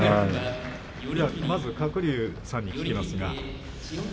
まず鶴竜さんに聞きます。